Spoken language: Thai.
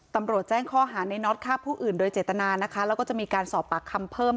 ตำรวจแจ้งข้อหาในน็อตฆ่าผู้อื่นโดยเจตนานะคะแล้วก็จะมีการสอบปากคำเพิ่ม